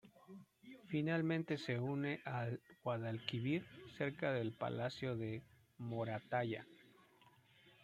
Finalmente se une al Guadalquivir cerca del Palacio de Moratalla.